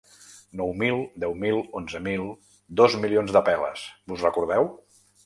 Nou mil, deu mil, onze mil, dos milions de peles, vos recordeu?.